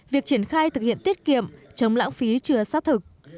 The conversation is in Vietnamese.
việc triển khai thực hiện tiết kiệm chống lãng phí chưa xác thực